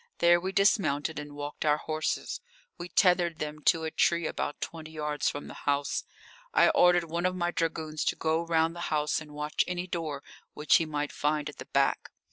There we dismounted, and walked our horses. We tethered them to a tree about twenty yards from the house. I ordered one of my dragoons to go round the house, and watch any door which he might find at the back.